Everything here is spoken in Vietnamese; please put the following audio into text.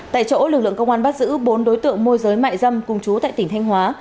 tại chỗ lực lượng công an bắt giữ bốn đối tượng môi giới mại dâm cùng chú tại tỉnh thanh hóa